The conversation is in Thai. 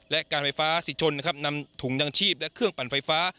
และการไฟฟ้าสิชนนะครับนำถุงยังชีพและเครื่องปั่นไฟฟ้า